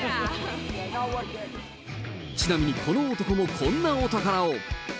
ちなみにこの男もこんなお宝を。